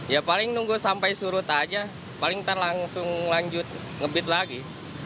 ya paling nunggu sampai surut aja paling ntar langsung lanjut ngebit lagi